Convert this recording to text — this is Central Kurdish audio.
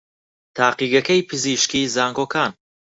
تاقیگەکەی پزیشکیی زانکۆکان